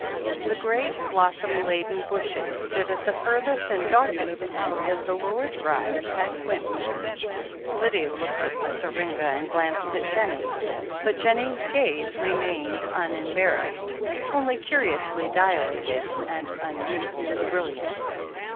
The great, blossom laden bushes stood at the furthest and darkest end of the lower drive at Quintmere. Lydia looked at the syringa and glanced at Jennie, but Jennie's gaze remained unembarrassed, only curi ously dilated and unusually brilliant.